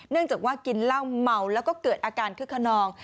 เนื่องจากว่ากินเหล้าเมาแล้วก็เกิดอาการเครื่องขนอง